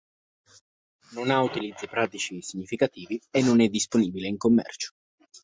Non ha utilizzi pratici significativi, e non è disponibile in commercio.